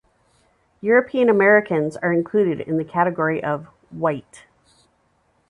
European Americans are included in the category of "White".